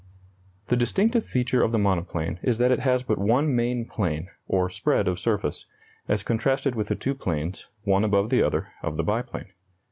The distinctive feature of the monoplane is that it has but one main plane, or spread of surface, as contrasted with the two planes, one above the other, of the biplane.